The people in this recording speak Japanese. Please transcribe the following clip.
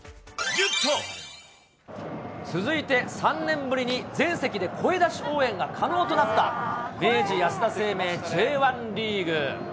続いて３年ぶりに全席で声出し応援が可能となった、明治安田生命Ｊ１リーグ。